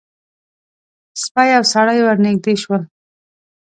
سپی او سړی ور نږدې شول.